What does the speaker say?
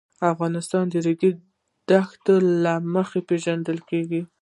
افغانستان د د ریګ دښتې له مخې پېژندل کېږي.